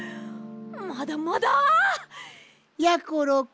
まだまだ！やころくん。